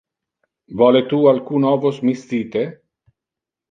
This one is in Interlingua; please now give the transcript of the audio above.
Vole tu alcun ovos miscite?